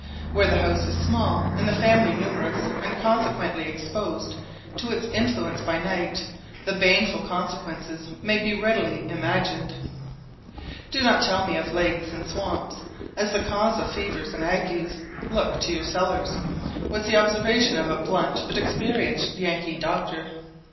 Where the house is small, and the family numerous, and consequently exposed to its influence by night, the baneful consequences may be readily imagined. "Do not tell me of lakes and swamps as the cause of fevers and agues; look to your cellars," was the observation of a blunt but experienced Yankee doctor.